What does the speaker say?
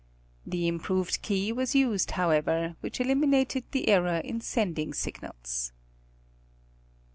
'The improved key was used however, which eliminated the error in sending signals.